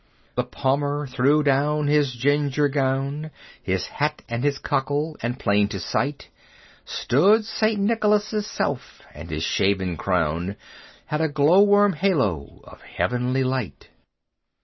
The Palmer threw down his ginger gown, His hat and his cockle; and, plain to sight, Stood St. Nicholas' self, and his shaven crown Had a glow worm halo of heavenly light.